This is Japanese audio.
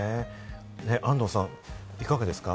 安藤さん、いかがですか？